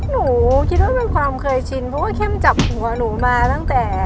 หนูคิดว่าเป็นความเคยชินเพราะว่าเข้มจับหัวหนูมาตั้งแต่